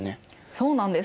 そうなんです。